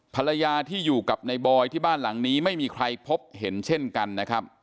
ภรรยาที่อยู่กับในบอยที่บ้านหลังนี้ไม่มีใครพบเห็นเช่นกันนะครับ